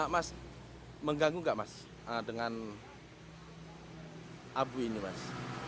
mas mengganggu nggak mas dengan abu ini mas